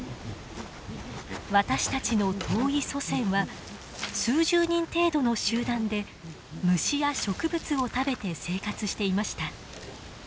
私たちの遠い祖先は数十人程度の集団で虫や植物を食べて生活していました。